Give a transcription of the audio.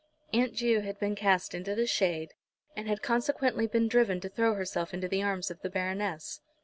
Aunt Ju had been cast into the shade, and had consequently been driven to throw herself into the arms of the Baroness.